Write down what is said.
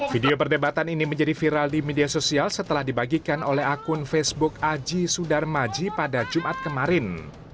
video perdebatan ini menjadi viral di media sosial setelah dibagikan oleh akun facebook aji sudar maji pada jumat kemarin